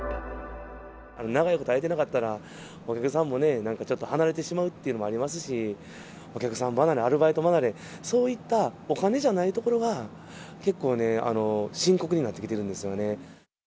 長いこと開いてなかったら、お客さんもね、なんかちょっと離れてしまうっていうのもありますし、お客さん離れ、アルバイト離れ、そういった、お金じゃないところが結構ね、深刻になってきてるんですよね。